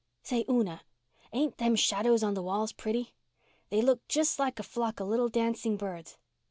Say, Una, ain't them shadows on the walls pretty? They look just like a flock of little dancing birds.